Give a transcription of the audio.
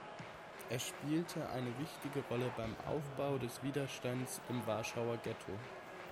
Er spielte eine wichtige Rolle beim Aufbau des Widerstands im Warschauer Ghetto.